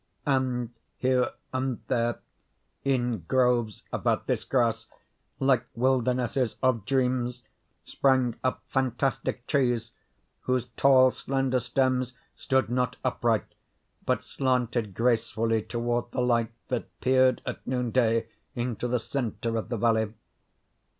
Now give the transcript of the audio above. And, here and there, in groves about this grass, like wildernesses of dreams, sprang up fantastic trees, whose tall slender stems stood not upright, but slanted gracefully toward the light that peered at noon day into the centre of the valley.